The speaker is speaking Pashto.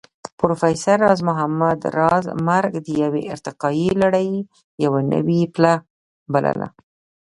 پروفېسر راز محمد راز مرګ د يوې ارتقائي لړۍ يوه نوې پله بلله